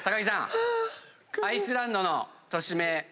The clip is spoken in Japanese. アイスランドの都市名